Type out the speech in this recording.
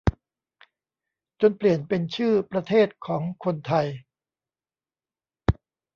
จนเปลี่ยนเป็นชื่อประเทศของคนไทย